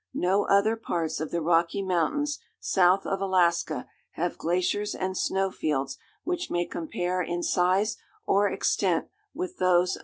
No other parts of the Rocky Mountains, south of Alaska, have glaciers and snowfields which may compare in size or extent with those of the Waputehk Range.